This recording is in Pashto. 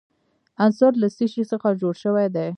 عنصر له څه شي څخه جوړ شوی دی.